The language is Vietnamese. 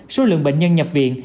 số lượng bệnh nhân nhập viện